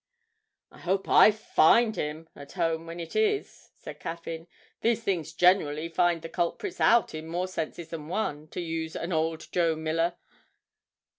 'I hope it will find him at home when it is,' said Caffyn; 'these things generally find the culprits "out" in more senses than one, to use an old Joe Miller.